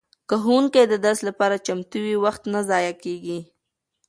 که ښوونکی د درس لپاره چمتو وي وخت نه ضایع کیږي.